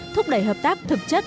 thúc đẩy hợp tác thực chất